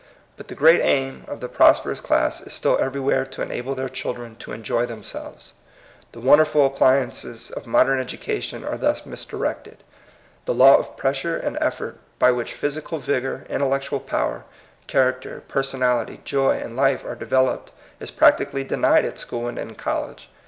But the great aim of the prosperous class is still everywhere to enable their children to enjoy themselves. The wonderful appliances of modem educa tion are thus misdirected. The law of pres sure and eflfort by which physical vigor, intellectual power, character, personality, joy, and life are developed is practically denied at school and in college.